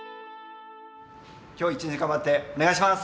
今日一日頑張ってお願いします！